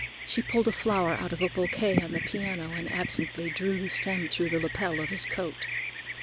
She pulled a flower out of a bouquet on the piano and absently drew the stem through the lapel of his coat.